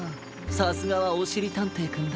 さすがはおしりたんていくんだ！